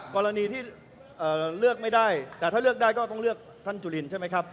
กรณีที่เลือกไม่ได้แต่ถ้าเลือกได้ก็ต้องเลือกท่านจุลินใช่ไหมครับ